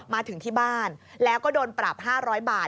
มาถึงที่บ้านแล้วก็โดนปรับ๕๐๐บาท